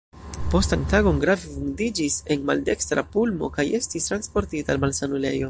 Postan tagon grave vundiĝis en maldekstra pulmo kaj estis transportita al malsanulejo.